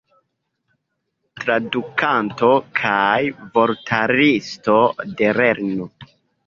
Tradukanto kaj vortaristo de Lernu!.